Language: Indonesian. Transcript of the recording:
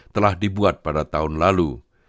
telah dibuat pada tahun lalu